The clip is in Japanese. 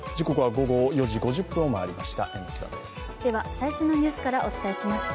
最新のニュースからお伝えします。